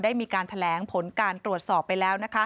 ได้มีการแถลงผลการตรวจสอบไปแล้ว